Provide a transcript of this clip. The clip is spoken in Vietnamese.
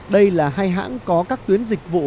đây là hai hãng có các tuyến dịch vụ